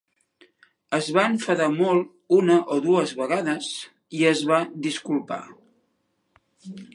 Es va enfadar molt una o dues vegades i es va disculpar.